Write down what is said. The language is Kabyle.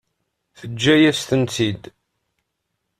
Teǧǧa-yas-tent-id.